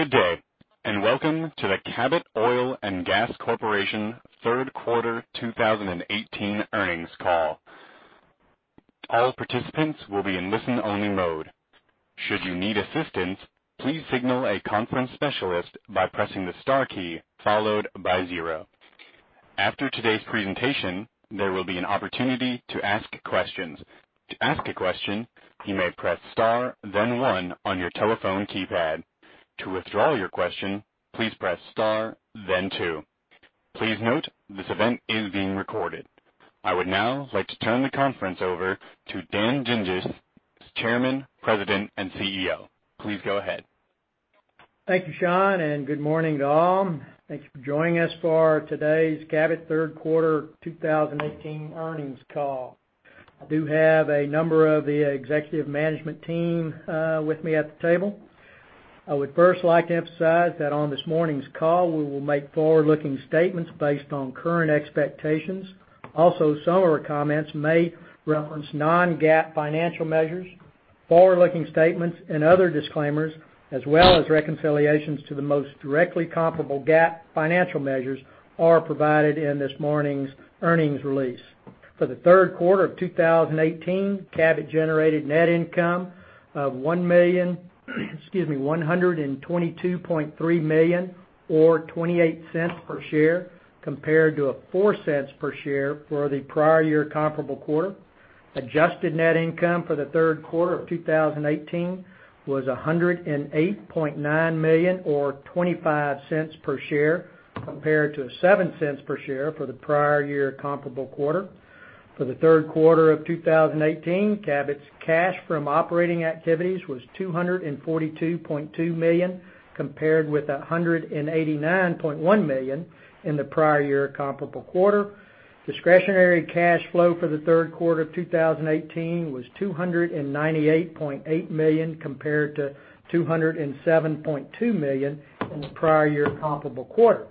Good day, and welcome to the Cabot Oil and Gas Corporation third quarter 2018 earnings call. All participants will be in listen only mode. Should you need assistance, please signal a conference specialist by pressing the star key followed by 0. After today's presentation, there will be an opportunity to ask questions. To ask a question, you may press star then 1 on your telephone keypad. To withdraw your question, please press star then 2. Please note this event is being recorded. I would now like to turn the conference over to Dan Dinges, Chairman, President, and CEO. Please go ahead. Thank you, Shaun, and good morning to all. Thank you for joining us for today's Cabot third quarter 2018 earnings call. I do have a number of the executive management team with me at the table. I would first like to emphasize that on this morning's call, we will make forward-looking statements based on current expectations. Some of our comments may reference non-GAAP financial measures, forward-looking statements and other disclaimers, as well as reconciliations to the most directly comparable GAAP financial measures are provided in this morning's earnings release. For the third quarter of 2018, Cabot generated net income of $122.3 million, or $0.28 per share, compared to $0.04 per share for the prior year comparable quarter. Adjusted net income for the third quarter of 2018 was $108.9 million or $0.25 per share, compared to $0.07 per share for the prior year comparable quarter. For the third quarter of 2018, Cabot's cash from operating activities was $242.2 million, compared with $189.1 million in the prior year comparable quarter. Discretionary cash flow for the third quarter of 2018 was $298.8 million compared to $207.2 million in the prior year comparable quarter.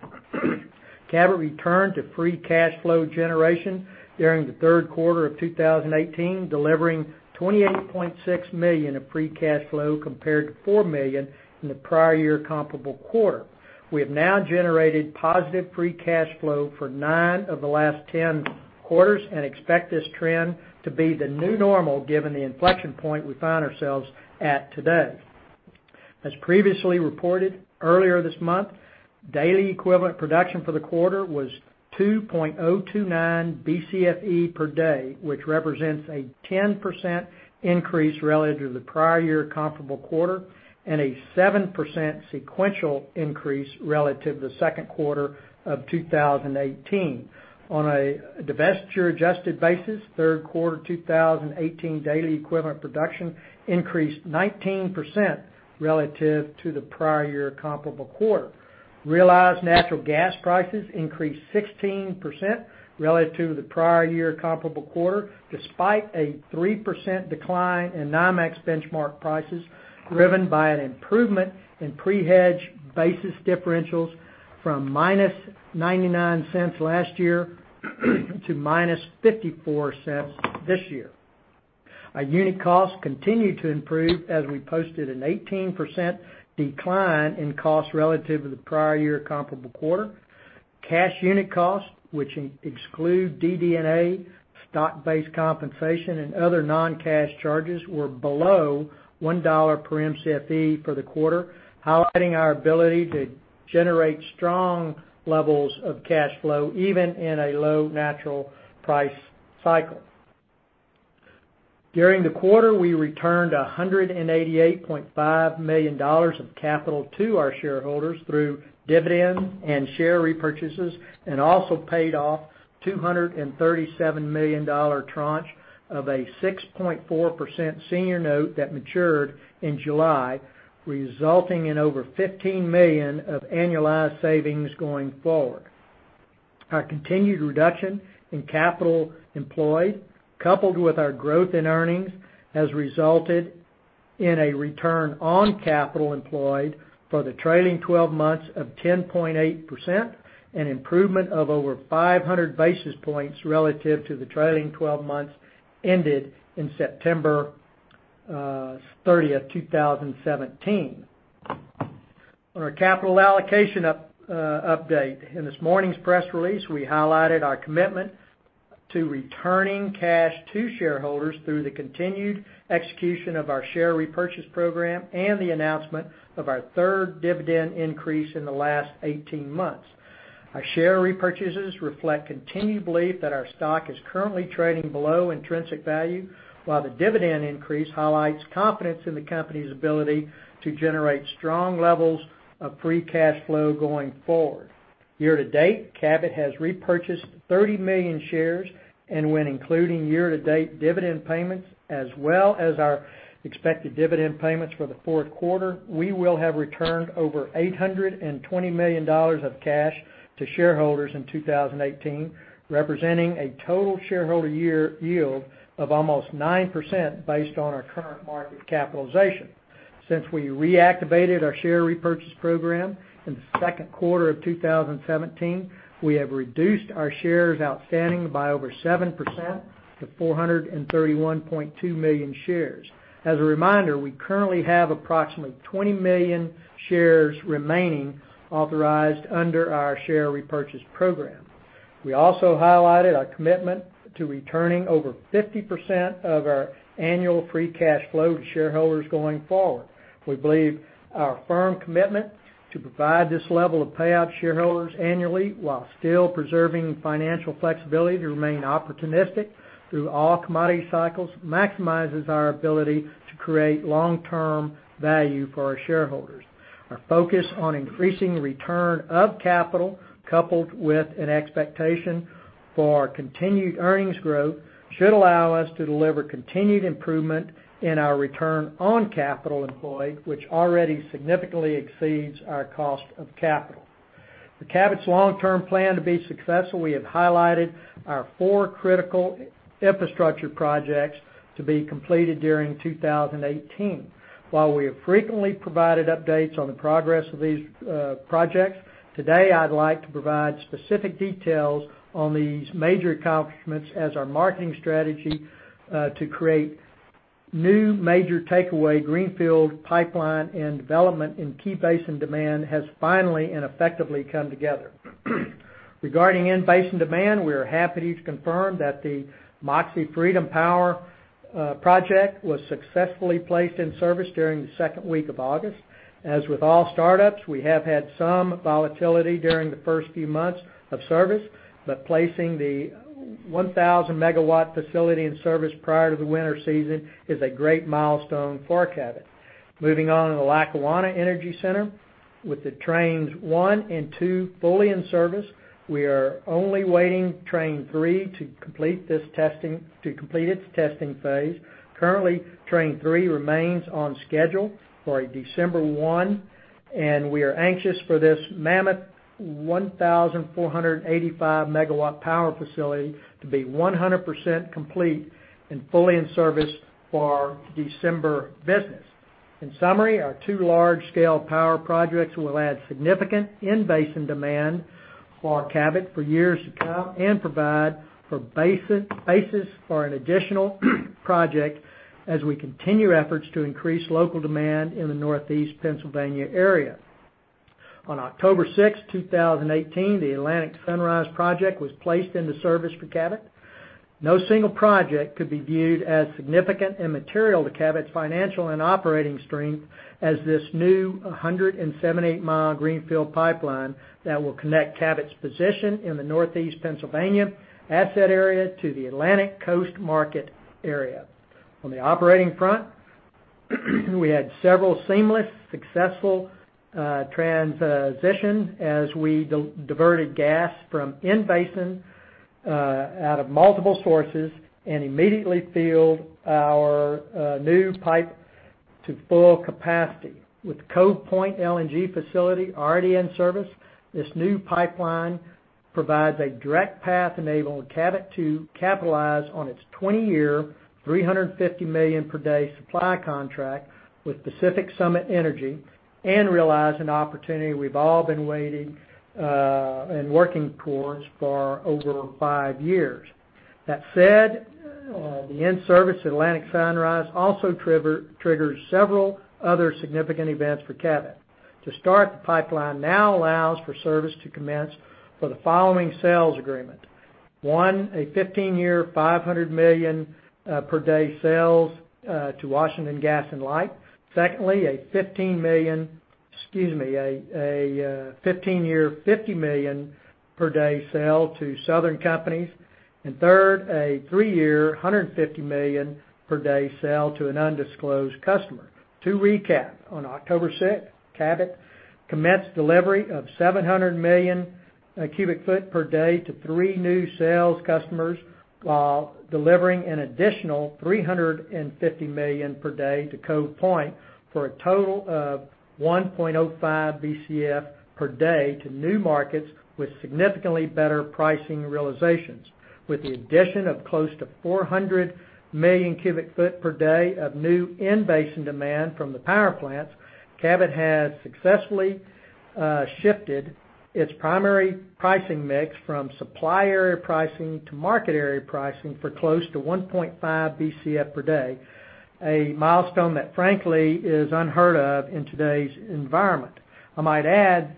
Cabot returned to free cash flow generation during the third quarter of 2018, delivering $28.6 million of free cash flow compared to $4 million in the prior year comparable quarter. We have now generated positive free cash flow for 9 of the last 10 quarters and expect this trend to be the new normal given the inflection point we find ourselves at today. As previously reported earlier this month, daily equivalent production for the quarter was 2.029 Bcfe per day, which represents a 10% increase relative to the prior year comparable quarter and a 7% sequential increase relative to the second quarter of 2018. On a divestiture adjusted basis, third quarter 2018 daily equivalent production increased 19% relative to the prior year comparable quarter. Realized natural gas prices increased 16% relative to the prior year comparable quarter, despite a 3% decline in NYMEX benchmark prices, driven by an improvement in pre-hedge basis differentials from -$0.99 last year to -$0.54 this year. Our unit costs continued to improve as we posted an 18% decline in costs relative to the prior year comparable quarter. Cash unit costs, which exclude DD&A, stock-based compensation, and other non-cash charges, were below $1 per Mcfe for the quarter, highlighting our ability to generate strong levels of cash flow even in a low natural price cycle. During the quarter, we returned $188.5 million of capital to our shareholders through dividends and share repurchases and also paid off a $237 million tranche of a 6.4% senior note that matured in July, resulting in over $15 million of annualized savings going forward. Our continued reduction in capital employed, coupled with our growth in earnings, has resulted in a return on capital employed for the trailing 12 months of 10.8%, an improvement of over 500 basis points relative to the trailing 12 months ended in September 30th, 2017. On our capital allocation update. In this morning's press release, we highlighted our commitment to returning cash to shareholders through the continued execution of our share repurchase program and the announcement of our third dividend increase in the last 18 months. Our share repurchases reflect continued belief that our stock is currently trading below intrinsic value, while the dividend increase highlights confidence in the company's ability to generate strong levels of free cash flow going forward. Year to date, Cabot has repurchased 30 million shares, and when including year to date dividend payments as well as our expected dividend payments for the fourth quarter, we will have returned over $820 million of cash to shareholders in 2018, representing a total shareholder yield of almost 9% based on our current market capitalization. Since we reactivated our share repurchase program in the second quarter of 2017, we have reduced our shares outstanding by over 7% to 431.2 million shares. As a reminder, we currently have approximately 20 million shares remaining authorized under our share repurchase program. We also highlighted our commitment to returning over 50% of our annual free cash flow to shareholders going forward. We believe our firm commitment to provide this level of payout to shareholders annually while still preserving financial flexibility to remain opportunistic through all commodity cycles maximizes our ability to create long-term value for our shareholders. Our focus on increasing return of capital, coupled with an expectation for continued earnings growth, should allow us to deliver continued improvement in our return on capital employed, which already significantly exceeds our cost of capital. For Cabot's long-term plan to be successful, we have highlighted our four critical infrastructure projects to be completed during 2018. While we have frequently provided updates on the progress of these projects, today, I'd like to provide specific details on these major accomplishments as our marketing strategy to create new major takeaway greenfield pipeline and development in key basin demand has finally and effectively come together. Regarding in-basin demand, we are happy to confirm that the Moxie Freedom Power project was successfully placed in service during the second week of August. As with all startups, we have had some volatility during the first few months of service, but placing the 1,000-megawatt facility in service prior to the winter season is a great milestone for Cabot. Moving on to the Lackawanna Energy Center. With trains 1 and 2 fully in service, we are only waiting for train 3 to complete its testing phase. Currently, train three remains on schedule for December 1, and we are anxious for this mammoth 1,485-megawatt power facility to be 100% complete and fully in service for our December business. In summary, our two large-scale power projects will add significant in-basin demand for Cabot for years to come and provide for basis for an additional project as we continue efforts to increase local demand in the Northeast Pennsylvania area. On October 6, 2018, the Atlantic Sunrise project was placed into service for Cabot. No single project could be viewed as significant and material to Cabot's financial and operating strength as this new 178-mile greenfield pipeline that will connect Cabot's position in the Northeast Pennsylvania asset area to the Atlantic Coast market area. On the operating front, we had several seamless, successful transitions as we diverted gas from in-basin out of multiple sources and immediately filled our new pipe to full capacity. With the Cove Point LNG facility already in service, this new pipeline provides a direct path enabling Cabot to capitalize on its 20-year, 350 million per day supply contract with Pacific Summit Energy and realize an opportunity we've all been waiting and working towards for over five years. That said, the in-service Atlantic Sunrise also triggers several other significant events for Cabot. To start, the pipeline now allows for service to commence for the following sales agreement. One, a 15-year, 500 million per day sale to Washington Gas Light. Secondly, a 15-year, 50 million per day sale to Southern Company. Third, a three-year, 150 million per day sale to an undisclosed customer. To recap, on October 6th, Cabot commenced delivery of 700 million cubic foot per day to three new sales customers while delivering an additional 350 million per day to Cove Point for a total of 1.05 BCF per day to new markets with significantly better pricing realizations. With the addition of close to 400 million cubic foot per day of new in-basin demand from the power plants, Cabot has successfully shifted its primary pricing mix from supplier pricing to market area pricing for close to 1.5 BCF per day, a milestone that frankly is unheard of in today's environment. I might add,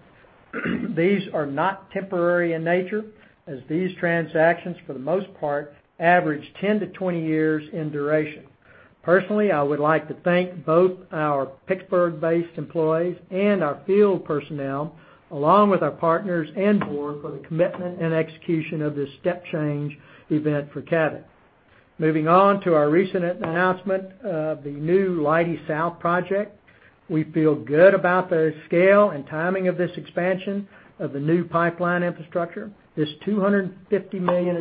these are not temporary in nature as these transactions, for the most part, average 10-20 years in duration. Personally, I would like to thank both our Pittsburgh-based employees and our field personnel, along with our partners and board for the commitment and execution of this step change event for Cabot. Moving on to our recent announcement of the new Leidy South project. We feel good about the scale and timing of this expansion of the new pipeline infrastructure. This 250 million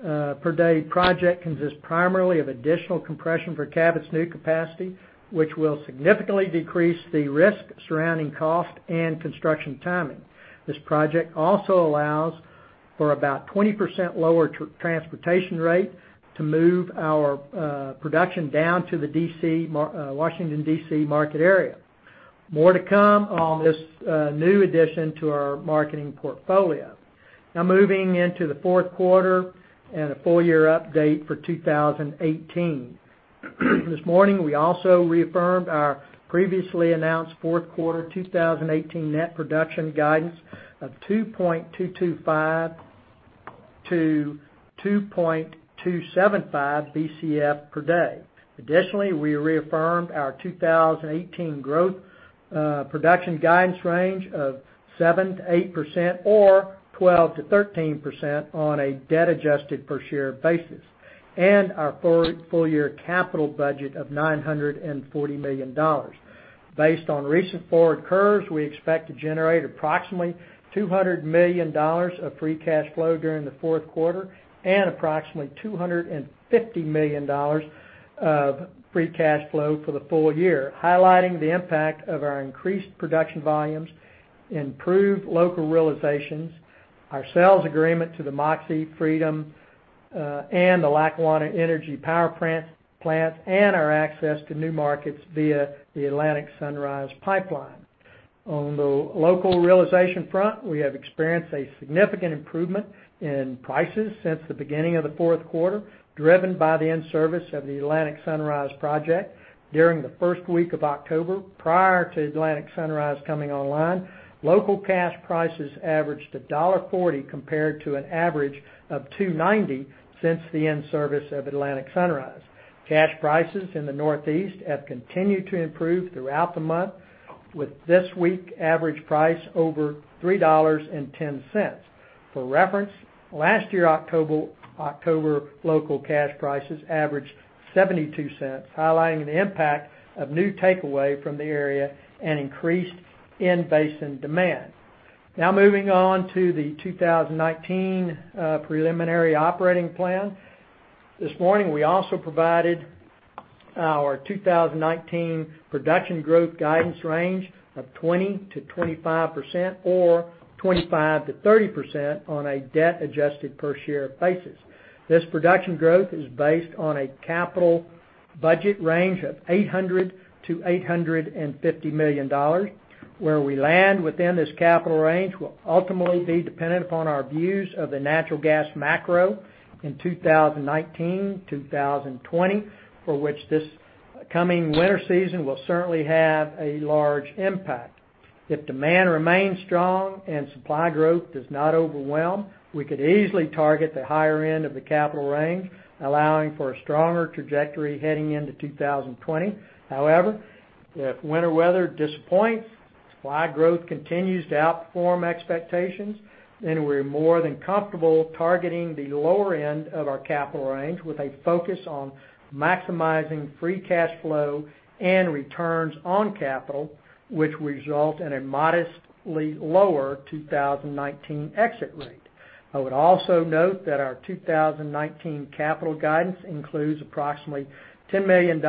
per day project consists primarily of additional compression for Cabot's new capacity, which will significantly decrease the risk surrounding cost and construction timing. This project also allows for about 20% lower transportation rate to move our production down to the Washington, D.C., market area. More to come on this new addition to our marketing portfolio. Moving into the fourth quarter and a full-year update for 2018. This morning, we also reaffirmed our previously announced fourth quarter 2018 net production guidance of 2.225-2.275 Bcf per day. Additionally, we reaffirmed our 2018 growth production guidance range of 7%-8%, or 12%-13% on a debt-adjusted per share basis, and our full-year capital budget of $940 million. Based on recent forward curves, we expect to generate approximately $200 million of free cash flow during the fourth quarter and approximately $250 million of free cash flow for the full year, highlighting the impact of our increased production volumes, improved local realizations, our sales agreement to the Moxie, Freedom, and the Lackawanna Energy power plants, and our access to new markets via the Atlantic Sunrise Pipeline. On the local realization front, we have experienced a significant improvement in prices since the beginning of the fourth quarter, driven by the in-service of the Atlantic Sunrise project during the first week of October. Prior to Atlantic Sunrise coming online, local cash prices averaged $1.40 compared to an average of $2.90 since the in-service of Atlantic Sunrise. Cash prices in the Northeast have continued to improve throughout the month, with this week average price over $3.10. For reference, last year October local cash prices averaged $0.72, highlighting the impact of new takeaway from the area and increased in-basin demand. Now moving on to the 2019 preliminary operating plan. This morning, we also provided our 2019 production growth guidance range of 20%-25% or 25%-30% on a debt-adjusted per share basis. This production growth is based on a capital budget range of $800 million-$850 million. Where we land within this capital range will ultimately be dependent upon our views of the natural gas macro in 2019-2020, for which this coming winter season will certainly have a large impact. If demand remains strong and supply growth does not overwhelm, we could easily target the higher end of the capital range, allowing for a stronger trajectory heading into 2020. However, if winter weather disappoints, supply growth continues to outperform expectations, we're more than comfortable targeting the lower end of our capital range with a focus on maximizing free cash flow and returns on capital, which result in a modestly lower 2019 exit rate. I would also note that our 2019 capital guidance includes approximately $10 million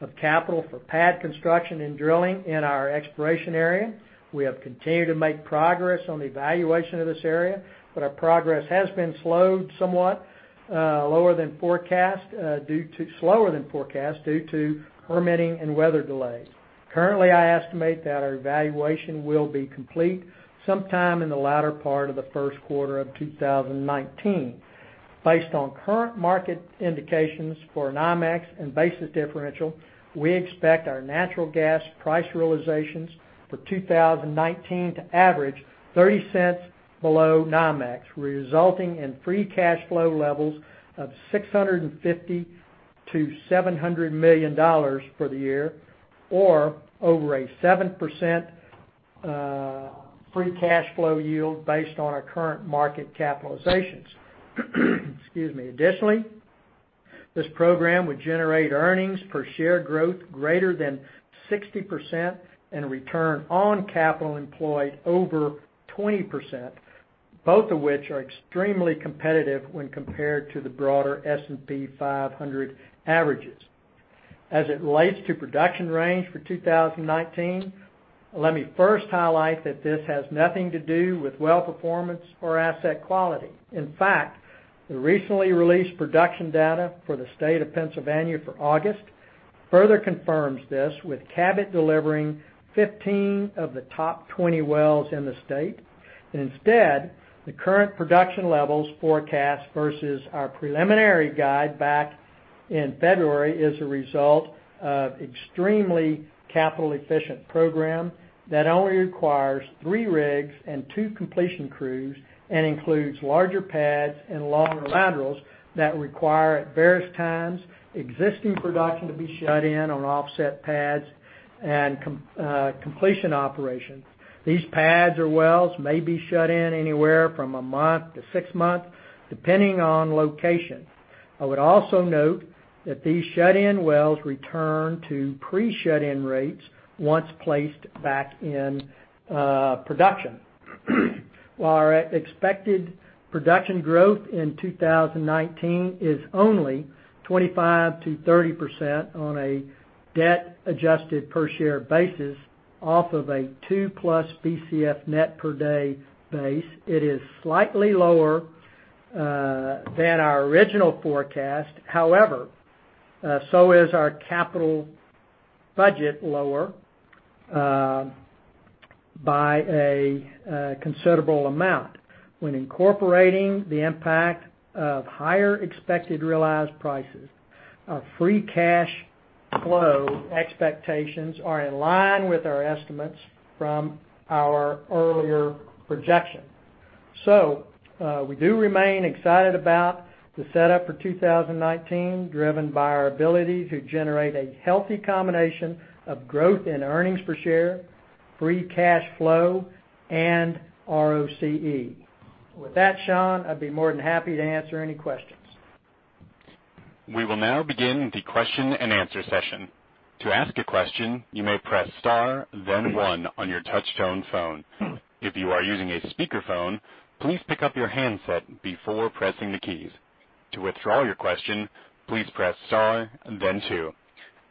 of capital for pad construction and drilling in our exploration area. We have continued to make progress on the evaluation of this area, but our progress has been slowed somewhat, slower than forecast due to permitting and weather delays. Currently, I estimate that our evaluation will be complete sometime in the latter part of the first quarter of 2019. Based on current market indications for NYMEX and basis differential, we expect our natural gas price realizations for 2019 to average $0.30 below NYMEX, resulting in free cash flow levels of $650 million-$700 million for the year, or over a 7% free cash flow yield based on our current market capitalizations. Excuse me. Additionally, this program would generate earnings per share growth greater than 60% and return on capital employed over 20%, both of which are extremely competitive when compared to the broader S&P 500 averages. As it relates to production range for 2019, let me first highlight that this has nothing to do with well performance or asset quality. In fact, the recently released production data for the state of Pennsylvania for August further confirms this, with Cabot delivering 15 of the top 20 wells in the state. Instead, the current production levels forecast versus our preliminary guide back in February is a result of extremely capital efficient program that only requires three rigs and two completion crews and includes larger pads and longer laterals that require, at various times, existing production to be shut in on offset pads and completion operations. These pads or wells may be shut in anywhere from a month to six months, depending on location. I would also note that these shut-in wells return to pre-shut-in rates once placed back in production. While our expected production growth in 2019 is only 25%-30% on a debt adjusted per share basis off of a 2-plus Bcf net per day base, it is slightly lower than our original forecast. However, so is our capital budget lower. By a considerable amount. When incorporating the impact of higher expected realized prices, our free cash flow expectations are in line with our estimates from our earlier projection. We do remain excited about the setup for 2019, driven by our ability to generate a healthy combination of growth in earnings per share, free cash flow, and ROCE. With that, Shaun, I'd be more than happy to answer any questions. We will now begin the question and answer session. To ask a question, you may press star then one on your touchtone phone. If you are using a speakerphone, please pick up your handset before pressing the keys. To withdraw your question, please press star then two.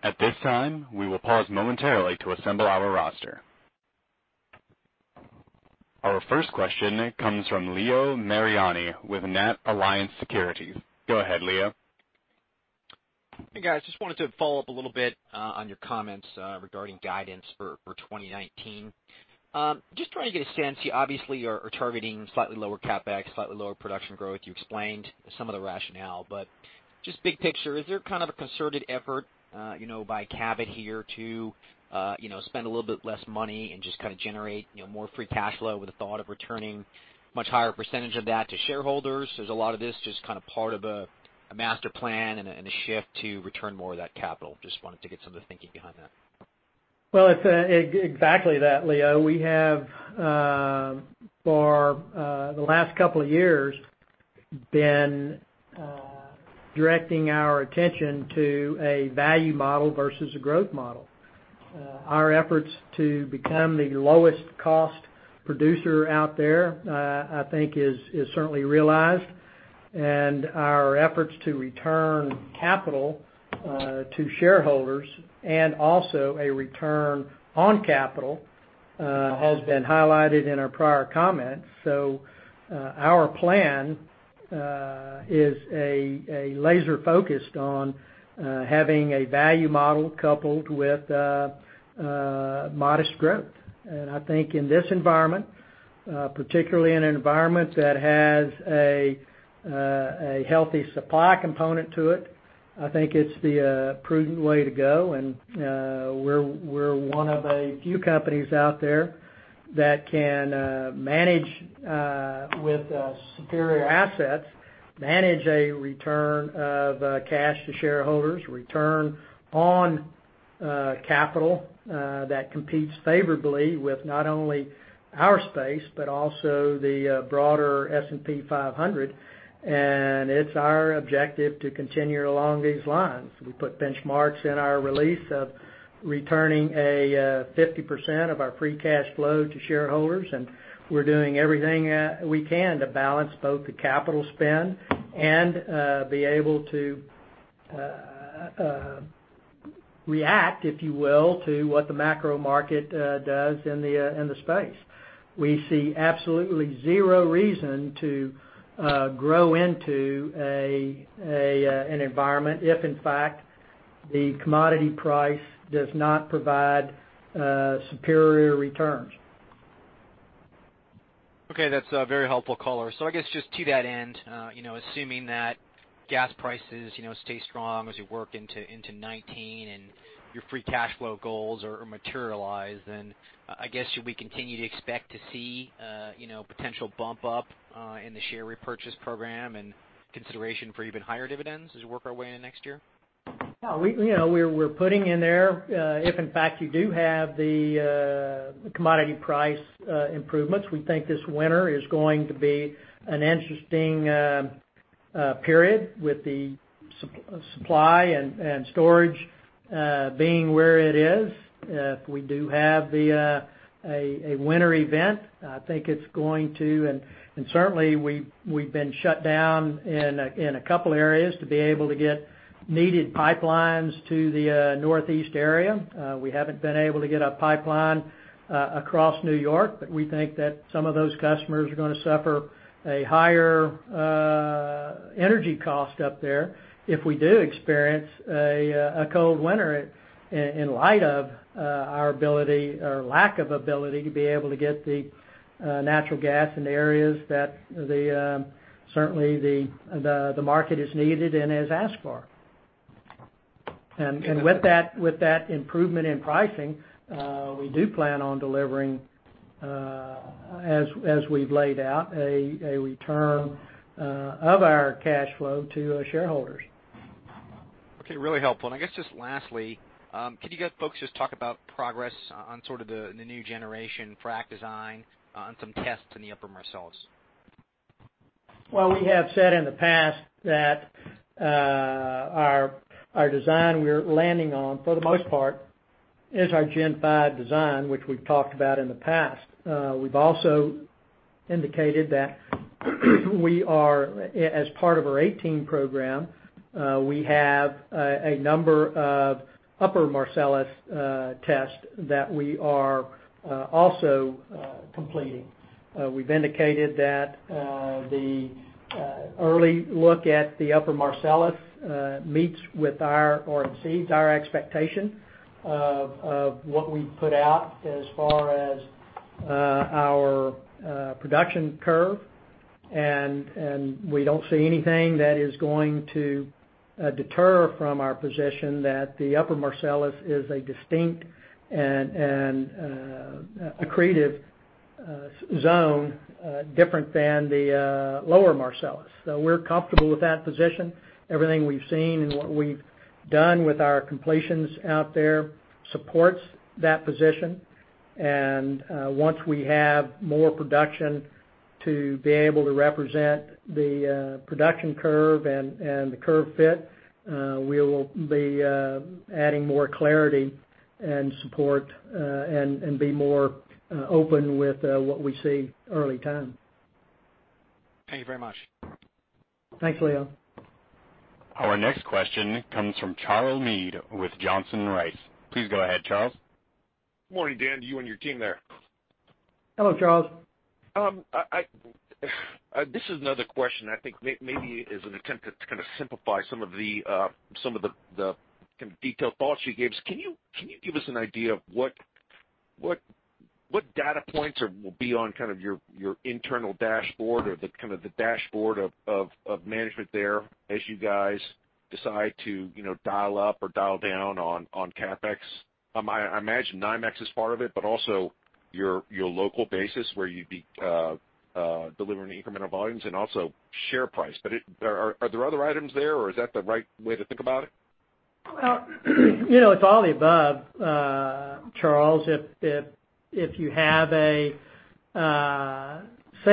At this time, we will pause momentarily to assemble our roster. Our first question comes from Leo Mariani with NatAlliance Securities. Go ahead, Leo. Hey, guys. Just wanted to follow up a little bit on your comments regarding guidance for 2019. Just trying to get a sense, you obviously are targeting slightly lower CapEx, slightly lower production growth. You explained some of the rationale, but just big picture, is there a concerted effort by Cabot here to spend a little bit less money and just generate more free cash flow with the thought of returning much higher percentage of that to shareholders? Is a lot of this just part of a master plan and a shift to return more of that capital? Just wanted to get some of the thinking behind that. Well, it's exactly that, Leo. We have, for the last couple of years, been directing our attention to a value model versus a growth model. Our efforts to become the lowest cost producer out there, I think is certainly realized, and our efforts to return capital to shareholders and also a return on capital has been highlighted in our prior comments. Our plan is a laser focused on having a value model coupled with modest growth. I think in this environment, particularly in an environment that has a healthy supply component to it, I think it's the prudent way to go. We're one of a few companies out there that can, with superior assets, manage a return of cash to shareholders, return on capital that competes favorably with not only our space, but also the broader S&P 500, and it's our objective to continue along these lines. We put benchmarks in our release of returning a 50% of our free cash flow to shareholders, and we're doing everything we can to balance both the capital spend and be able to react, if you will, to what the macro market does in the space. We see absolutely zero reason to grow into an environment if in fact the commodity price does not provide superior returns. Okay. That's very helpful, caller. I guess just to that end, assuming that gas prices stay strong as you work into 2019 and your free cash flow goals are materialized, then I guess should we continue to expect to see potential bump up in the share repurchase program and consideration for even higher dividends as we work our way into next year? Yeah. We're putting in there, if in fact you do have the commodity price improvements, we think this winter is going to be an interesting period with the supply and storage being where it is. If we do have a winter event, I think it's going to, and certainly we've been shut down in a couple of areas to be able to get needed pipelines to the Northeast area. We haven't been able to get a pipeline across New York, but we think that some of those customers are going to suffer a higher energy cost up there if we do experience a cold winter in light of our ability or lack of ability to be able to get the natural gas in the areas that certainly the market is needed and has asked for. With that improvement in pricing, we do plan on delivering, as we've laid out, a return of our cash flow to shareholders. Okay, really helpful. I guess just lastly, could you folks just talk about progress on sort of the new generation frac design on some tests in the Upper Marcellus? Well, we have said in the past that our design we're landing on, for the most part, is our Gen 5 design, which we've talked about in the past. We've also indicated that we are, as part of our 2018 program, we have a number of Upper Marcellus tests that we are also completing. We've indicated that the early look at the Upper Marcellus meets with our, or exceeds our expectation of what we put out as far as our production curve. We don't see anything that is going to deter from our position that the Upper Marcellus is a distinct and accretive zone different than the Lower Marcellus. We're comfortable with that position. Everything we've seen and what we've done with our completions out there supports that position. Once we have more production to be able to represent the production curve and the curve fit, we will be adding more clarity and support, and be more open with what we see early time. Thank you very much. Thanks, Leo. Our next question comes from Charles Meade with Johnson Rice. Please go ahead, Charles. Good morning, Dan, to you and your team there. Hello, Charles. This is another question I think maybe is an attempt to kind of simplify some of the detailed thoughts you gave us. Can you give us an idea of what data points will be on your internal dashboard or the dashboard of management there as you guys decide to dial up or dial down on CapEx? I imagine NYMEX is part of it, but also your local basis where you'd be delivering incremental volumes and also share price. Are there other items there, or is that the right way to think about it? Well, it's all the above, Charles. Say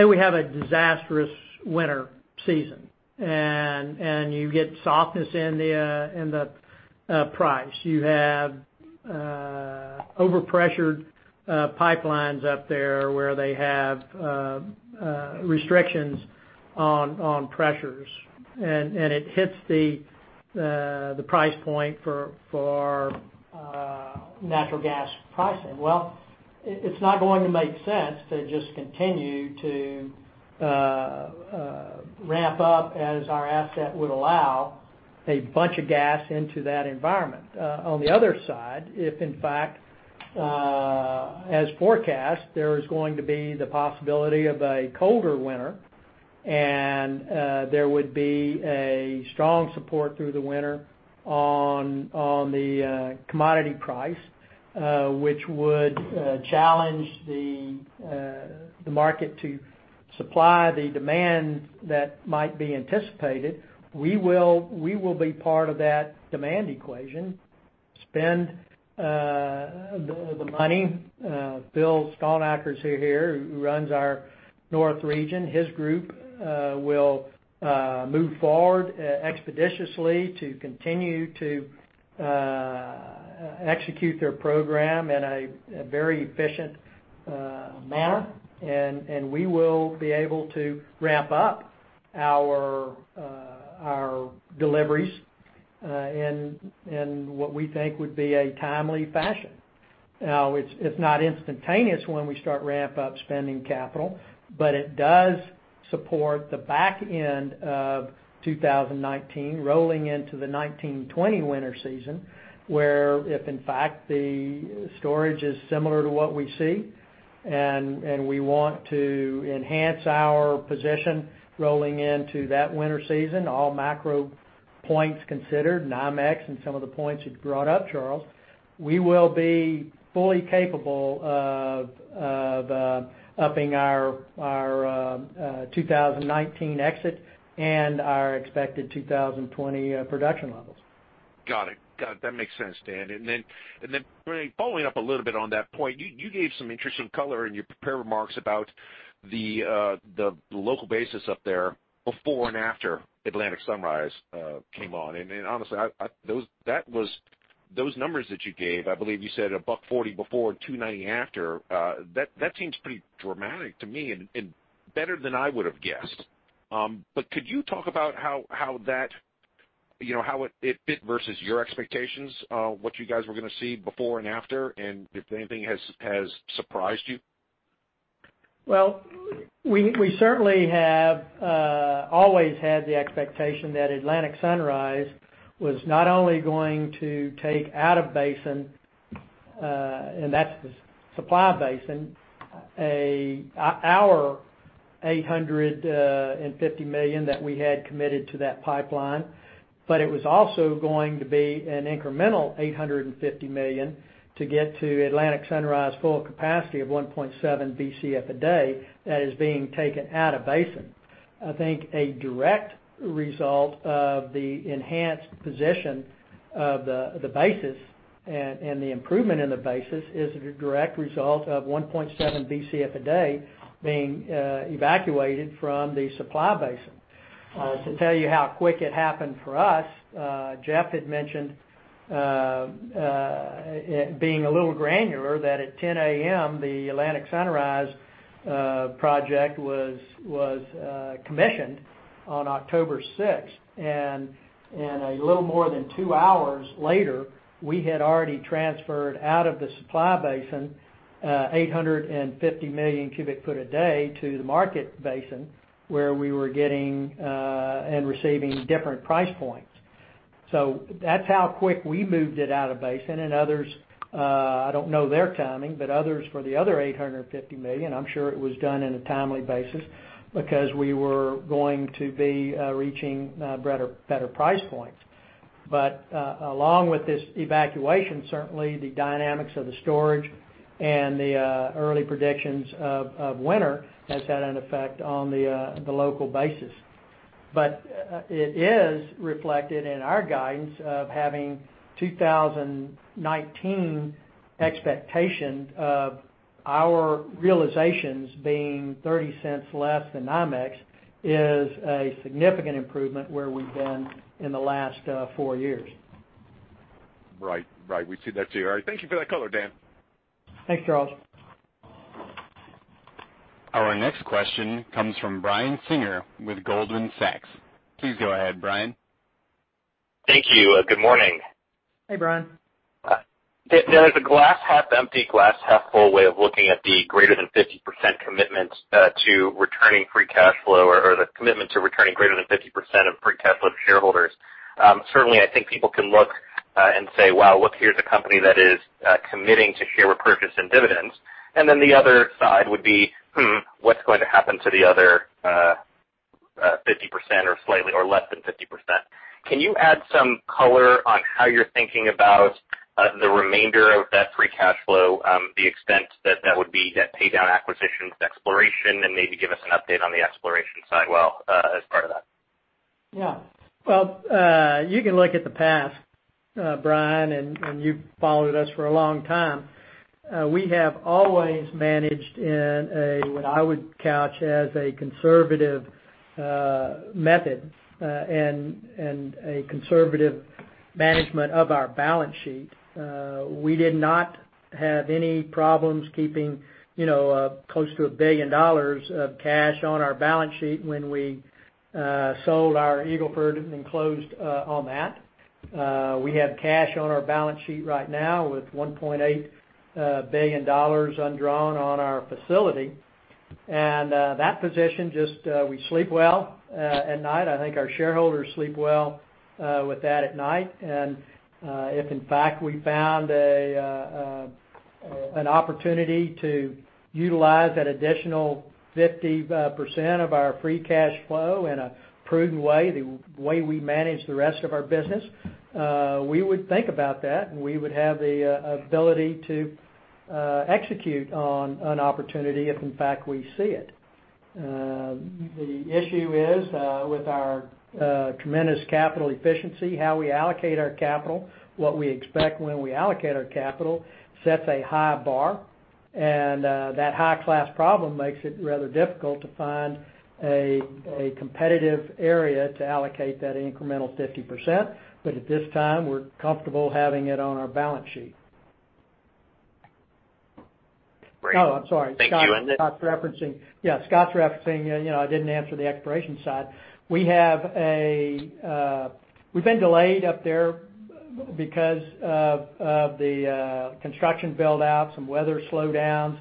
we have a disastrous winter season and you get softness in the price. You have over-pressured pipelines up there, where they have restrictions on pressures, and it hits the price point for natural gas pricing. Well, it's not going to make sense to just continue to ramp up as our asset would allow a bunch of gas into that environment. On the other side, if in fact, as forecast, there is going to be the possibility of a colder winter and there would be a strong support through the winter on the commodity price, which would challenge the market to supply the demand that might be anticipated, we will be part of that demand equation, spend the money. Bill Stalnaker's here who runs our north region. His group will move forward expeditiously to continue to execute their program in a very efficient manner, we will be able to ramp up our deliveries in what we think would be a timely fashion. Now, it's not instantaneous when we start ramp-up spending capital, it does support the back end of 2019 rolling into the 2019-2020 winter season, where if in fact the storage is similar to what we see and we want to enhance our position rolling into that winter season, all macro points considered, NYMEX and some of the points you've brought up, Charles, we will be fully capable of upping our 2019 exit and our expected 2020 production levels. Got it. That makes sense, Dan. Following up a little bit on that point, you gave some interesting color in your prepared remarks about the local basis up there before and after Atlantic Sunrise came on. Honestly, those numbers that you gave, I believe you said $1.40 before, $2.90 after, that seems pretty dramatic to me and better than I would've guessed. Could you talk about how it fit versus your expectations, what you guys were going to see before and after, and if anything has surprised you? Well, we certainly have always had the expectation that Atlantic Sunrise was not only going to take out of basin, and that's the supply basin, our $850 million that we had committed to that pipeline, it was also going to be an incremental $850 million to get to Atlantic Sunrise full capacity of 1.7 Bcf a day that is being taken out of basin. I think a direct result of the enhanced position of the basis and the improvement in the basis is a direct result of 1.7 Bcf a day being evacuated from the supply basin. To tell you how quick it happened for us, Jeff had mentioned being a little granular that at 10:00 A.M., the Atlantic Sunrise project was commissioned on October 6th. A little more than two hours later, we had already transferred out of the supply basin $850 million cubic foot a day to the market basin, where we were getting and receiving different price points. That's how quick we moved it out of basin. Others, I don't know their timing, but others for the other $850 million, I'm sure it was done in a timely basis because we were going to be reaching better price points. Along with this evacuation, certainly the dynamics of the storage and the early predictions of winter has had an effect on the local basis. It is reflected in our guidance of having 2019 expectation of our realizations being $0.30 less than NYMEX is a significant improvement where we've been in the last four years. Right. We see that too. All right. Thank you for that color, Dan. Thanks, Charles. Our next question comes from Brian Singer with Goldman Sachs. Please go ahead, Brian. Thank you. Good morning. Hey, Brian. There's a glass half empty, glass half full way of looking at the greater than 50% commitment to returning free cash flow, or the commitment to returning greater than 50% of free cash flow to shareholders. Certainly, I think people can look and say, "Wow, look, here's a company that is committing to share repurchase and dividends." Then the other side would be, "Hmm, what's going to happen to the other 50% or less than 50%?" Can you add some color on how you're thinking about the remainder of that free cash flow, the extent that that would be debt pay down, acquisitions, exploration, and maybe give us an update on the exploration side well as part of that? Well, you can look at the past, Brian, you've followed us for a long time. We have always managed in a, what I would couch as a conservative method, and a conservative management of our balance sheet. We did not have any problems keeping close to $1 billion of cash on our balance sheet when we sold our Eagle Ford and closed on that. We have cash on our balance sheet right now with $1.8 billion undrawn on our facility. That position just, we sleep well at night. I think our shareholders sleep well with that at night. If in fact, we found an opportunity to utilize that additional 50% of our free cash flow in a prudent way, the way we manage the rest of our business, we would think about that, and we would have the ability to execute on an opportunity if in fact we see it. The issue is with our tremendous capital efficiency, how we allocate our capital, what we expect when we allocate our capital sets a high bar, and that high-class problem makes it rather difficult to find a competitive area to allocate that incremental 50%. At this time, we're comfortable having it on our balance sheet. Great. I'm sorry. Thank you. Scott's referencing I didn't answer the exploration side. We've been delayed up there because of the construction build out, some weather slowdowns,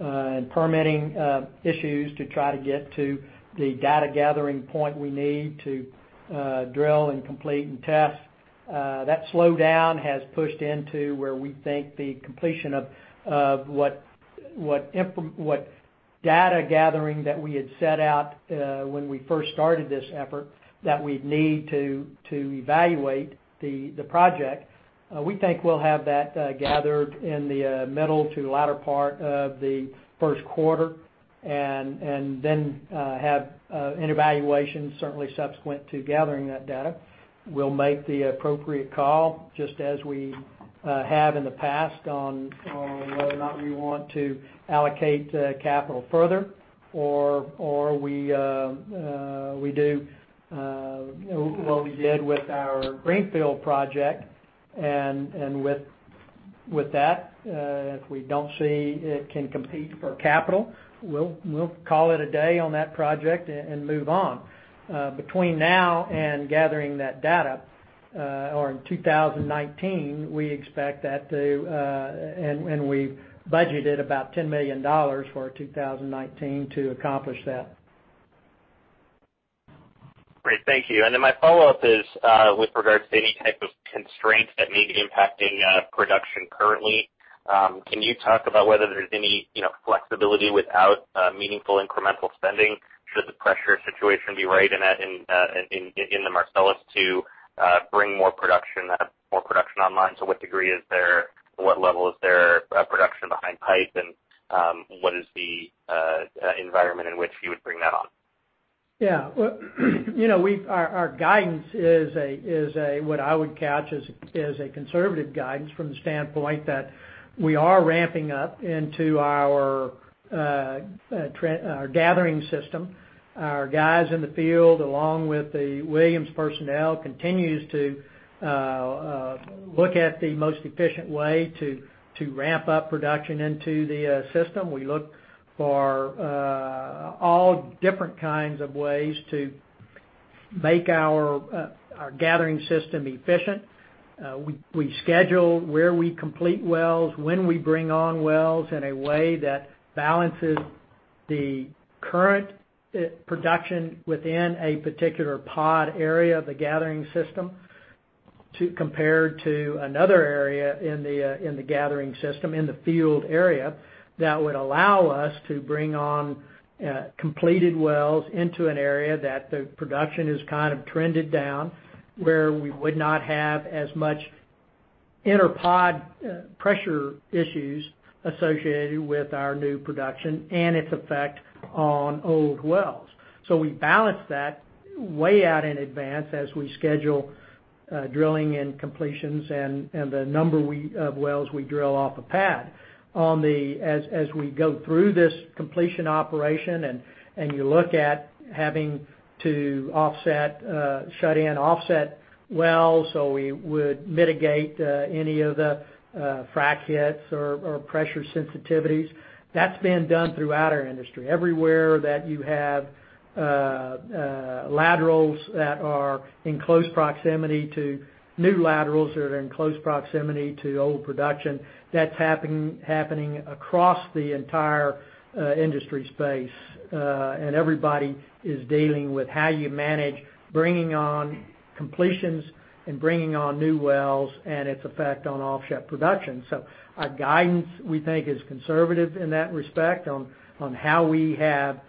and permitting issues to try to get to the data gathering point we need to drill and complete and test. That slowdown has pushed into where we think the completion of what data gathering that we had set out when we first started this effort that we'd need to evaluate the project. We think we'll have that gathered in the middle to latter part of the first quarter, and then have an evaluation certainly subsequent to gathering that data. We'll make the appropriate call, just as we have in the past on whether or not we want to allocate capital further, or we do what we did with our greenfield project. With that, if we don't see it can compete for capital, we'll call it a day on that project and move on. Between now and gathering that data, or in 2019, we've budgeted about $10 million for 2019 to accomplish that. Great. Thank you. Then my follow-up is with regards to any type of constraints that may be impacting production currently. Can you talk about whether there's any flexibility without meaningful incremental spending should the pressure situation be right in the Marcellus to bring more production online? To what degree is there, or what level is there production behind pipe, and what is the environment in which you would bring that on? Yeah. Our guidance is a, what I would couch as a conservative guidance from the standpoint that we are ramping up into our gathering system. Our guys in the field, along with the Williams personnel, continues to look at the most efficient way to ramp up production into the system. We look for all different kinds of ways to make our gathering system efficient. We schedule where we complete wells, when we bring on wells in a way that balances the current production within a particular pod area of the gathering system compared to another area in the gathering system, in the field area, that would allow us to bring on completed wells into an area that the production has trended down, where we would not have as much inter-pod pressure issues associated with our new production and its effect on old wells. We balance that way out in advance as we schedule drilling and completions and the number of wells we drill off a pad. As we go through this completion operation, and you look at having to shut in offset wells, we would mitigate any of the frac hits or pressure sensitivities. That's been done throughout our industry. Everywhere that you have laterals that are in close proximity to new laterals, that are in close proximity to old production, that's happening across the entire industry space. Everybody is dealing with how you manage bringing on completions and bringing on new wells and its effect on offset production. Our guidance, we think, is conservative in that respect on how we have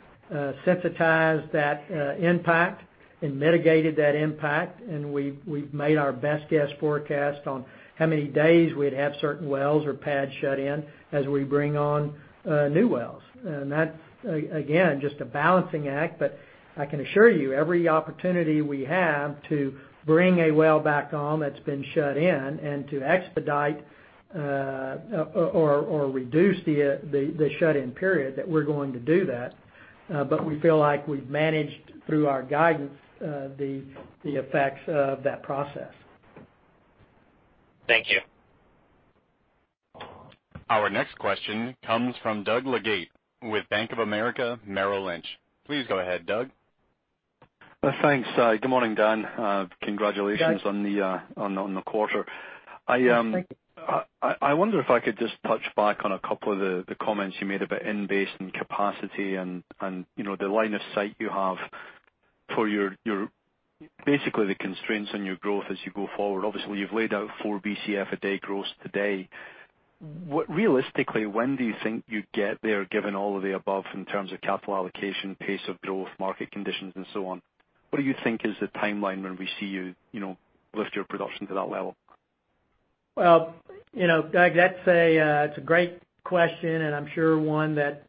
sensitized that impact and mitigated that impact. We've made our best guess forecast on how many days we'd have certain wells or pads shut in as we bring on new wells. That's, again, just a balancing act. I can assure you, every opportunity we have to bring a well back on that's been shut in and to expedite or reduce the shut-in period, that we're going to do that. We feel like we've managed, through our guidance, the effects of that process. Thank you. Our next question comes from Doug Leggate with Bank of America Merrill Lynch. Please go ahead, Doug. Thanks. Good morning, Dan. Congratulations- Doug on the quarter. Thanks, Doug. I wonder if I could just touch back on a couple of the comments you made about in-basin capacity and the line of sight you have for basically the constraints on your growth as you go forward. Obviously, you've laid out 4 Bcf a day growth today. Realistically, when do you think you'd get there, given all of the above in terms of capital allocation, pace of growth, market conditions, and so on? What do you think is the timeline when we see you lift your production to that level? Well, Doug, that's a great question. I'm sure one that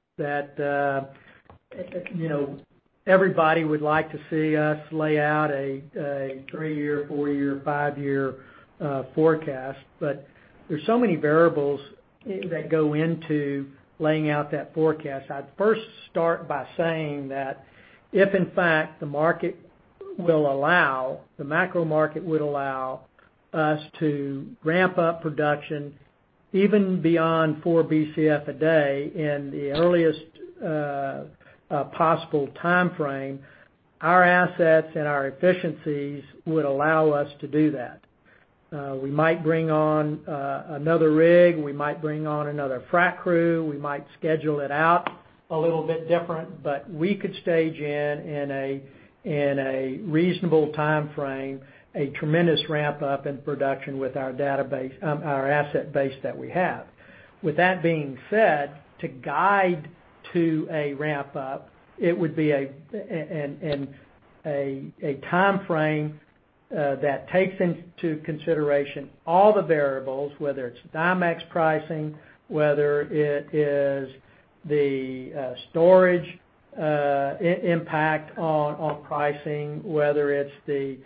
everybody would like to see us lay out a three-year, four-year, five-year forecast. There's so many variables that go into laying out that forecast. I'd first start by saying that if, in fact, the macro market would allow us to ramp up production even beyond 4 Bcf a day in the earliest possible timeframe, our assets and our efficiencies would allow us to do that. We might bring on another rig, we might bring on another frac crew, we might schedule it out a little bit different, but we could stage in a reasonable timeframe, a tremendous ramp-up in production with our asset base that we have. With that being said, to guide to a ramp-up, it would be a timeframe that takes into consideration all the variables, whether it's NYMEX pricing, whether it is the storage impact on pricing, whether it's the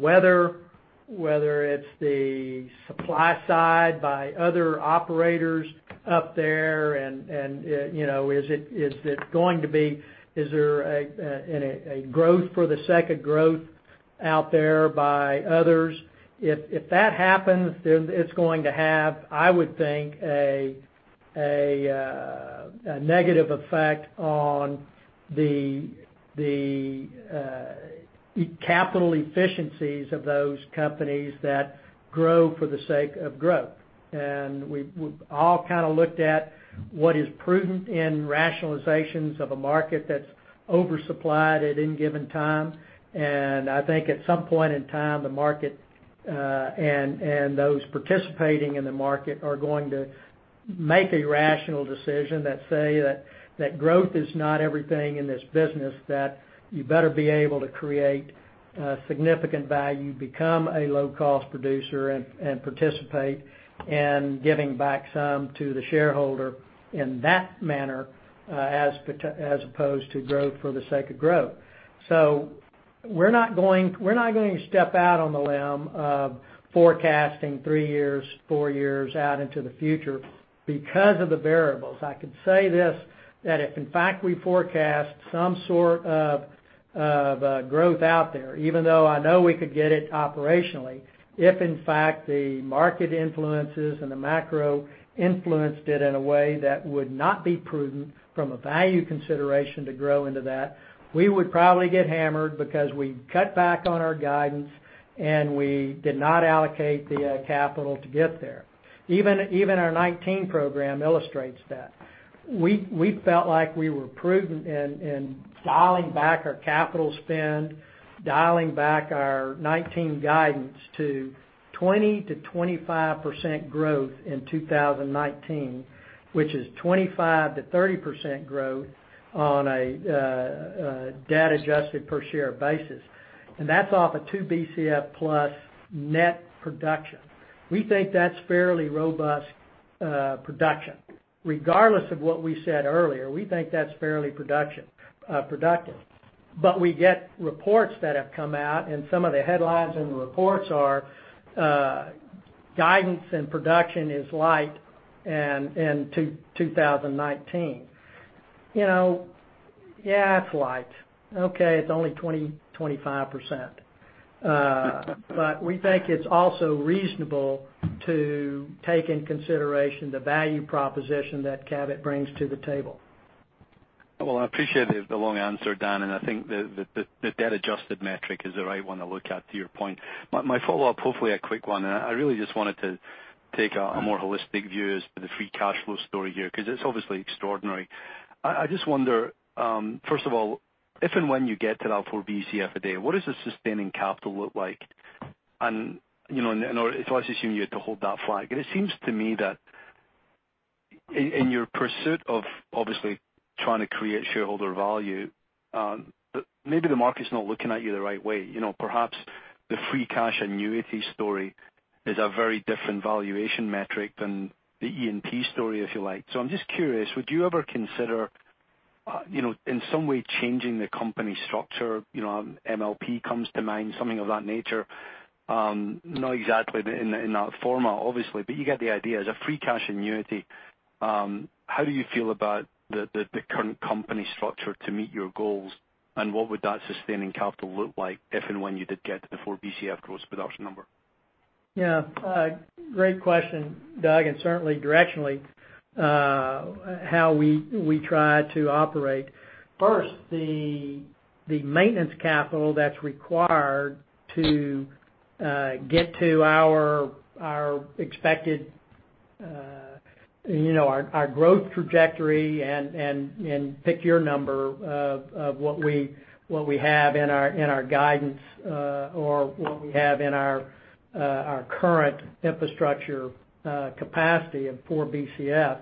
weather, whether it's the supply side by other operators up there, is there a growth for the second growth out there by others? If that happens, it's going to have, I would think, a negative effect on the capital efficiencies of those companies that grow for the sake of growth. We've all looked at what is prudent in rationalizations of a market that's oversupplied at any given time. I think at some point in time, the market and those participating in the market are going to make a rational decision that growth is not everything in this business, that you better be able to create significant value, become a low-cost producer, and participate in giving back some to the shareholder in that manner, as opposed to growth for the sake of growth. We're not going to step out on the limb of forecasting three years, four years out into the future because of the variables. I can say this, that if in fact we forecast some sort of growth out there, even though I know we could get it operationally, if in fact the market influences and the macro influenced it in a way that would not be prudent from a value consideration to grow into that, we would probably get hammered because we cut back on our guidance, and we did not allocate the capital to get there. Even our 2019 program illustrates that. We felt like we were prudent in dialing back our capital spend, dialing back our 2019 guidance to 20%-25% growth in 2019, which is 25%-30% growth on a debt-adjusted per share basis. That's off a 2 Bcf plus net production. We think that's fairly robust production. Regardless of what we said earlier, we think that's fairly productive. We get reports that have come out and some of the headlines in the reports are, guidance and production is light in 2019. Yeah, it's light. Okay, it's only 20%-25%. We think it's also reasonable to take into consideration the value proposition that Cabot brings to the table. Well, I appreciate the long answer, Dan, I think the debt-adjusted metric is the right one to look at to your point. My follow-up, hopefully a quick one, I really just wanted to take a more holistic view as to the free cash flow story here, because it's obviously extraordinary. I just wonder, first of all, if and when you get to that 4 Bcf a day, what does the sustaining capital look like? I assume you had to hold that flag. It seems to me that in your pursuit of obviously trying to create shareholder value, maybe the market's not looking at you the right way. Perhaps the free cash annuity story is a very different valuation metric than the E&P story, if you like. I'm just curious, would you ever consider, in some way, changing the company structure? MLP comes to mind, something of that nature. Not exactly in that format, obviously, but you get the idea. As a free cash annuity, how do you feel about the current company structure to meet your goals, and what would that sustaining capital look like if and when you did get to the 4 Bcf gross production number? Yeah. Great question, Doug, Certainly directionally, how we try to operate. First, the maintenance capital that's required to get to our expected growth trajectory and pick your number of what we have in our guidance, or what we have in our current infrastructure capacity of 4 Bcf.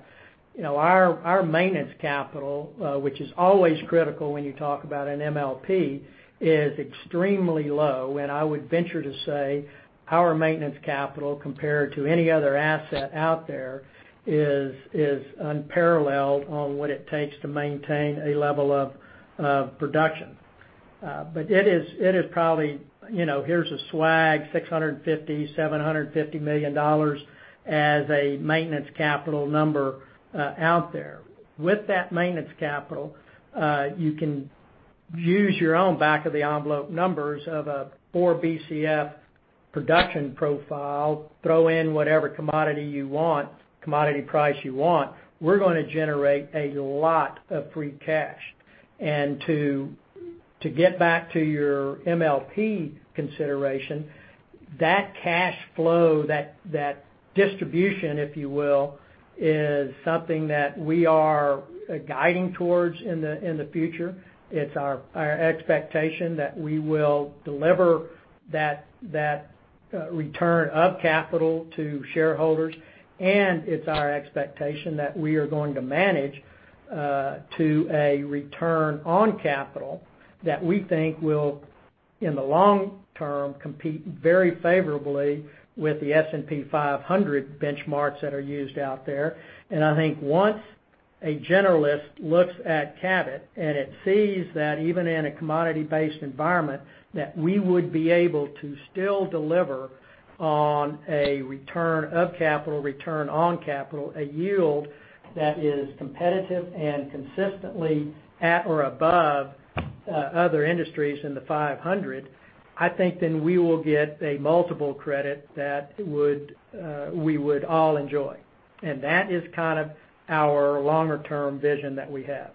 Our maintenance capital, which is always critical when you talk about an MLP, is extremely low, I would venture to say our maintenance capital, compared to any other asset out there, is unparalleled on what it takes to maintain a level of production. It is probably, here's a swag, $650 million, $750 million as a maintenance capital number out there. With that maintenance capital, you can use your own back of the envelope numbers of a 4 Bcf production profile, throw in whatever commodity price you want, we're going to generate a lot of free cash. To get back to your MLP consideration, that cash flow, that distribution, if you will, is something that we are guiding towards in the future. It's our expectation that we will deliver that return of capital to shareholders, it's our expectation that we are going to manage to a return on capital that we think will, in the long term, compete very favorably with the S&P 500 benchmarks that are used out there. I think once a generalist looks at Cabot and it sees that even in a commodity-based environment, that we would be able to still deliver on a return of capital, return on capital, a yield that is competitive and consistently at or above other industries in the 500, I think then we will get a multiple credit that we would all enjoy. That is kind of our longer term vision that we have.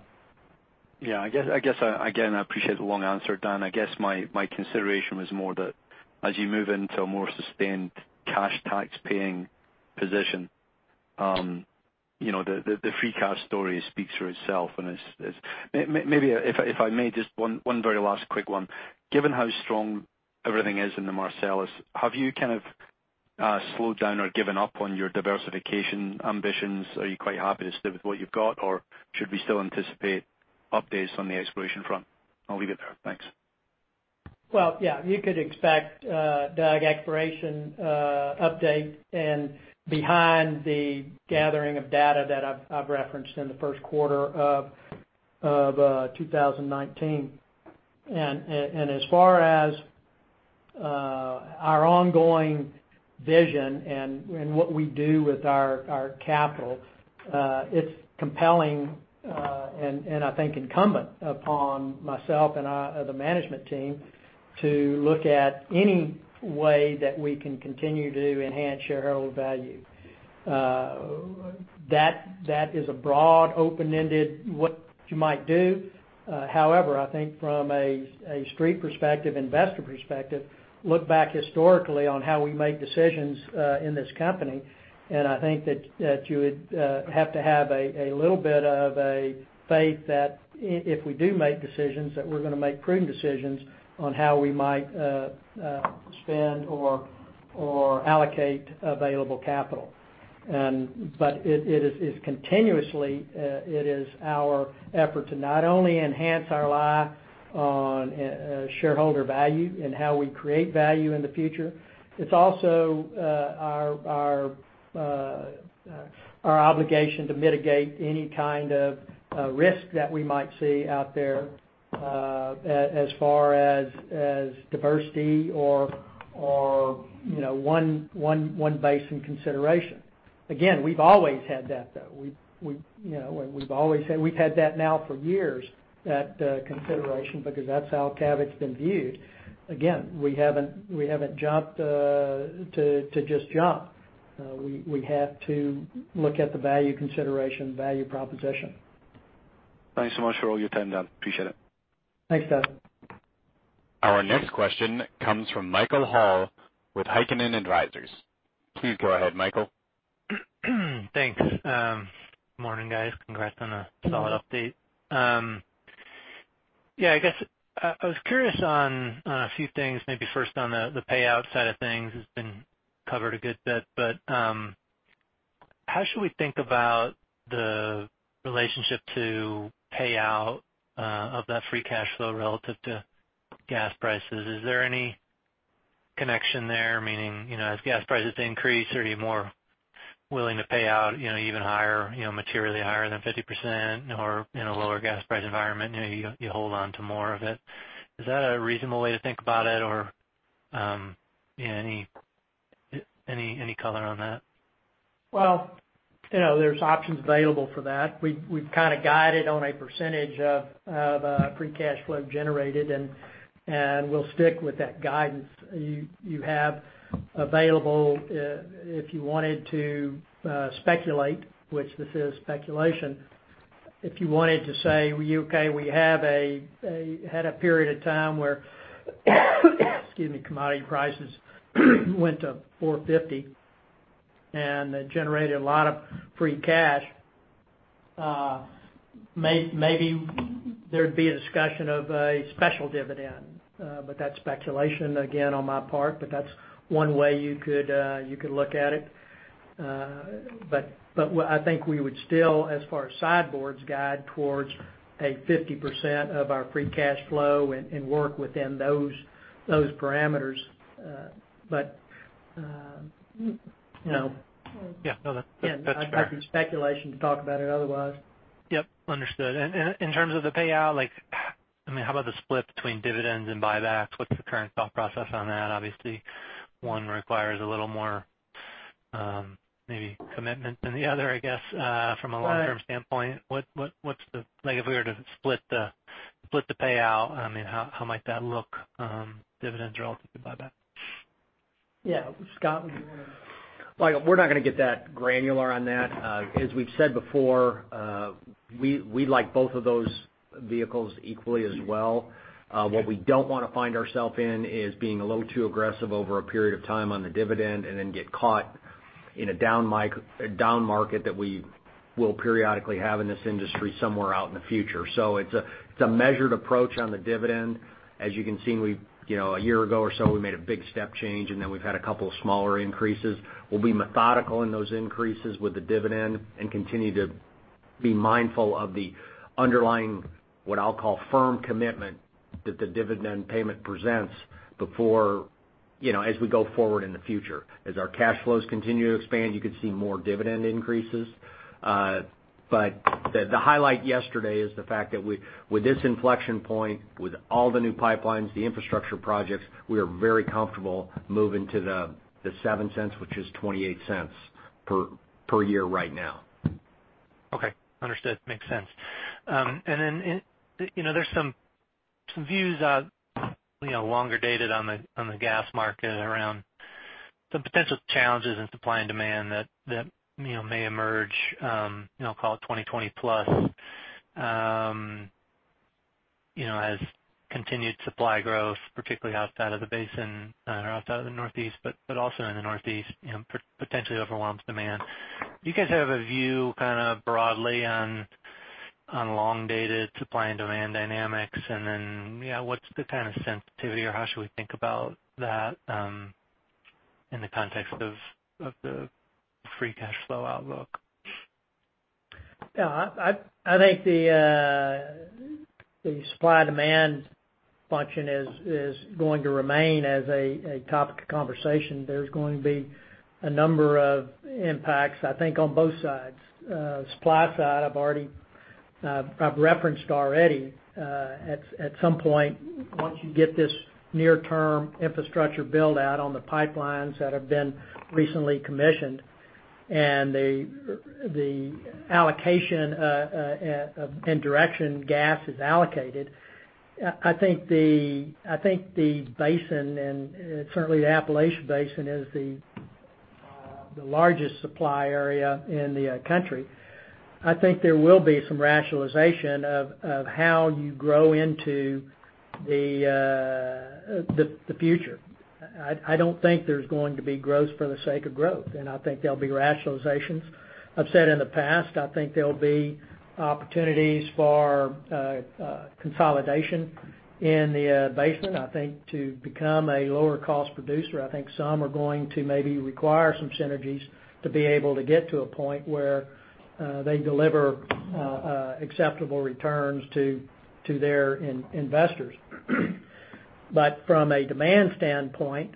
Yeah, I guess, again, I appreciate the long answer, Dan. I guess my consideration was more that as you move into a more sustained cash tax paying position, the free cash story speaks for itself. Maybe if I may, just one very last quick one. Given how strong everything is in the Marcellus, have you kind of slowed down or given up on your diversification ambitions? Are you quite happy to stay with what you've got, or should we still anticipate updates on the exploration front? I'll leave it there. Thanks. Well, yeah. You could expect, Doug, exploration update and behind the gathering of data that I've referenced in the first quarter of 2019. As far as our ongoing vision and what we do with our capital, it's compelling, I think incumbent upon myself and the management team to look at any way that we can continue to enhance shareholder value. That is a broad open-ended what you might do. However, I think from a street perspective, investor perspective, look back historically on how we made decisions in this company, I think that you would have to have a little bit of a faith that if we do make decisions, that we're going to make prudent decisions on how we might spend or allocate available capital. It continuously is our effort to not only enhance our eye on shareholder value and how we create value in the future, it's also our obligation to mitigate any kind of risk that we might see out there as far as diversity or one basin consideration. Again, we've always had that, though. We've had that now for years, that consideration, because that's how Cabot's been viewed. Again, we haven't jumped to just jump. We have to look at the value consideration, value proposition. Thanks so much for all your time, Doug. Appreciate it. Thanks, Doug. Our next question comes from Michael Hall with Heikkinen Energy Advisors. Please go ahead, Michael. Thanks. Morning, guys. Congrats on a solid update. I guess I was curious on a few things, maybe first on the payout side of things has been covered a good bit, but how should we think about the relationship to payout of that free cash flow relative to gas prices? Is there any connection there? Meaning, as gas prices increase, are you more willing to pay out even higher, materially higher than 50%, or in a lower gas price environment, you hold on to more of it. Is that a reasonable way to think about it or any color on that? Well, there's options available for that. We've kind of guided on a percentage of free cash flow generated. We'll stick with that guidance. You have available, if you wanted to speculate, which this is speculation, if you wanted to say, "Okay, we had a period of time where commodity prices went to $4.50. It generated a lot of free cash." Maybe there'd be a discussion of a special dividend. That's speculation again on my part, but that's one way you could look at it. I think we would still, as far as sideboards guide towards a 50% of our free cash flow and work within those parameters. Yeah. No, that's fair. That'd be speculation to talk about it otherwise. Yep, understood. In terms of the payout, how about the split between dividends and buybacks? What's the current thought process on that? Obviously, one requires a little more maybe commitment than the other, I guess, from a long-term standpoint. If we were to split the payout, how might that look, dividends relative to buyback? Yeah. Scott, would you want to We're not going to get that granular on that. As we've said before, we like both of those vehicles equally as well. What we don't want to find ourself in is being a little too aggressive over a period of time on the dividend and then get caught in a down market that we will periodically have in this industry somewhere out in the future. It's a measured approach on the dividend. As you can see, a year ago or so, we made a big step change, and then we've had a couple of smaller increases. We'll be methodical in those increases with the dividend and continue to be mindful of the underlying, what I'll call firm commitment that the dividend payment presents as we go forward in the future. As our cash flows continue to expand, you could see more dividend increases. The highlight yesterday is the fact that with this inflection point, with all the new pipelines, the infrastructure projects, we are very comfortable moving to the $0.07, which is $0.28 per year right now. Okay. Understood. Makes sense. There's some views on longer dated on the gas market around some potential challenges in supply and demand that may emerge, call it 2020 plus, as continued supply growth, particularly outside of the basin or outside of the Northeast, but also in the Northeast, potentially overwhelms demand. Do you guys have a view kind of broadly on long-dated supply and demand dynamics? What's the kind of sensitivity or how should we think about that in the context of the free cash flow outlook? I think the supply-demand function is going to remain as a topic of conversation. There's going to be a number of impacts, I think, on both sides. Supply side, I've referenced already, at some point, once you get this near-term infrastructure build-out on the pipelines that have been recently commissioned, and the allocation and direction gas is allocated, I think the basin, and certainly the Appalachian Basin, is the largest supply area in the country. I think there will be some rationalization of how you grow into the future. I don't think there's going to be growth for the sake of growth, and I think there'll be rationalizations. I've said in the past, I think there'll be opportunities for consolidation in the basin. I think to become a lower cost producer, I think some are going to maybe require some synergies to be able to get to a point where they deliver acceptable returns to their investors. From a demand standpoint,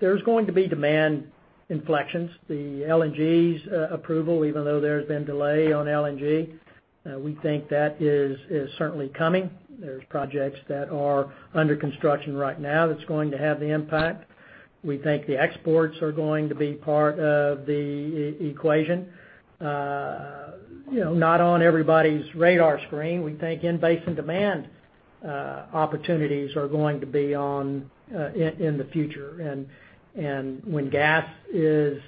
there's going to be demand inflections. The LNG's approval, even though there's been delay on LNG, we think that is certainly coming. There's projects that are under construction right now that's going to have the impact. We think the exports are going to be part of the equation. Not on everybody's radar screen, we think in-basin demand opportunities are going to be in the future, and when gas is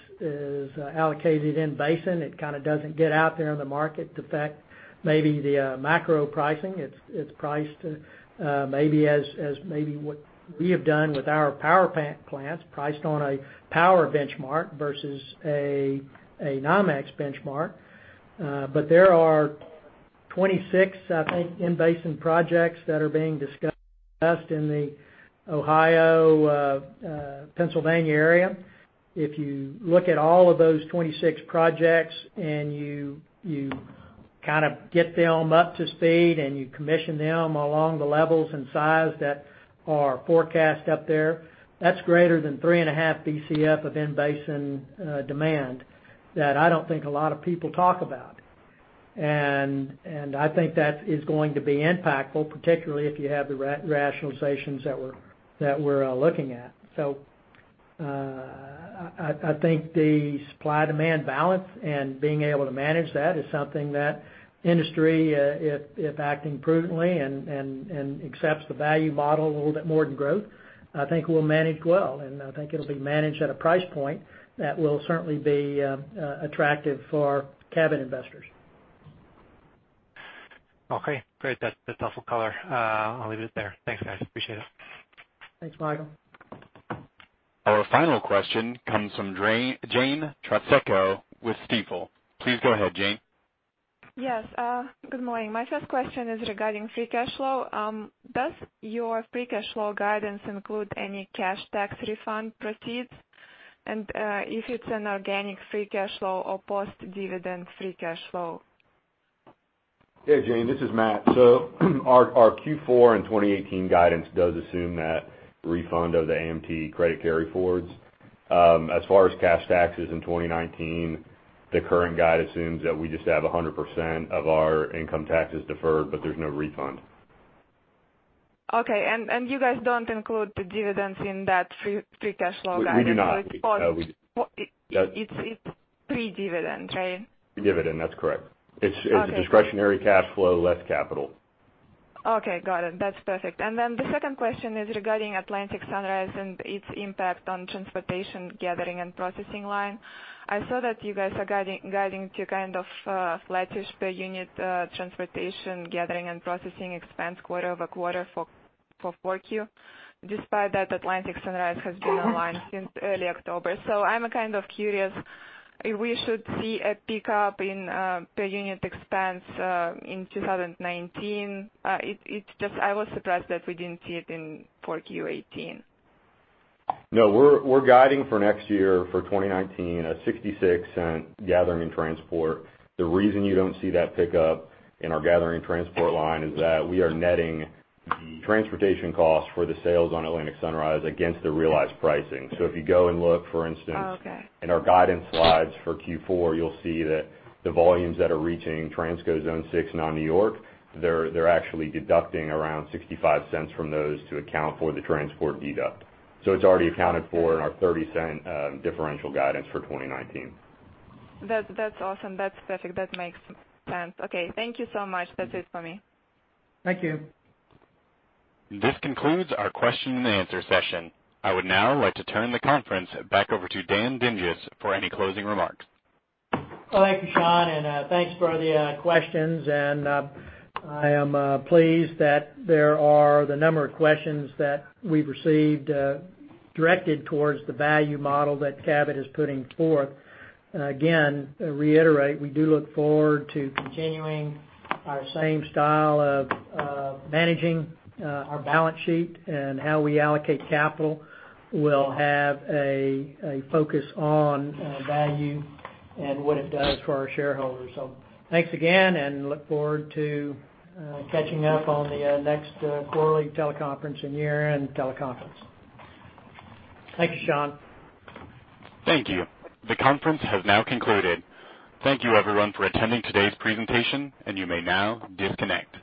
allocated in basin, it kind of doesn't get out there in the market affect maybe the macro pricing. It's priced, maybe as what we have done with our power plants, priced on a power benchmark versus a NYMEX benchmark. There are 26, I think, in-basin projects that are being discussed in the Ohio, Pennsylvania area. If you look at all of those 26 projects and you kind of get them up to speed and you commission them along the levels and size that are forecast up there, that's greater than 3.5 BCF of in-basin demand that I don't think a lot of people talk about. I think that is going to be impactful, particularly if you have the rationalizations that we're looking at. I think the supply-demand balance and being able to manage that is something that industry, if acting prudently and accepts the value model a little bit more than growth, I think will manage well, and I think it'll be managed at a price point that will certainly be attractive for Cabot investors. Okay, great. That's helpful color. I'll leave it there. Thanks, guys. Appreciate it. Thanks, Michael. Our final question comes from Jane Trotsenko with Stifel. Please go ahead, Jane. Yes. Good morning. My first question is regarding free cash flow. Does your free cash flow guidance include any cash tax refund proceeds? If it's an organic free cash flow or post-dividend free cash flow? Jane, this is Matt. Our Q4 and 2018 guidance does assume that refund of the AMT credit carry-forwards. As far as cash taxes in 2019, the current guide assumes that we just have 100% of our income taxes deferred, but there's no refund. Okay. You guys don't include the dividends in that free cash flow guidance? We do not. It's post. We- It's pre-dividend, right? Pre-dividend, that's correct. Okay. It's a discretionary cash flow, less capital. Okay, got it. That's perfect. The second question is regarding Atlantic Sunrise and its impact on transportation gathering and processing line. I saw that you guys are guiding to kind of flattish per unit transportation gathering and processing expense quarter-over-quarter for 4Q, despite that Atlantic Sunrise has been online since early October. I'm kind of curious if we should see a pickup in per unit expense in 2019. I was surprised that we didn't see it in 4Q 2018. No, we're guiding for next year for 2019, a $0.66 gathering transport. The reason you don't see that pickup in our gathering transport line is that we are netting the transportation costs for the sales on Atlantic Sunrise against the realized pricing. If you go and look. Oh, okay In our guidance slides for Q4, you'll see that the volumes that are reaching Transco Zone 6 non-New York, they're actually deducting around $0.65 from those to account for the transport deduct. It's already accounted for in our $0.30 differential guidance for 2019. That's awesome. That's perfect. That makes sense. Okay, thank you so much. That's it for me. Thank you. This concludes our question and answer session. I would now like to turn the conference back over to Dan Dinges for any closing remarks. Well, thank you, Shaun, and thanks for the questions. I am pleased that there are the number of questions that we've received directed towards the value model that Cabot is putting forth. Again, reiterate, we do look forward to continuing our same style of managing our balance sheet and how we allocate capital. We'll have a focus on value and what it does for our shareholders. Thanks again, and look forward to catching up on the next quarterly teleconference and year-end teleconference. Thank you, Shaun. Thank you. The conference has now concluded. Thank you everyone for attending today's presentation, and you may now disconnect.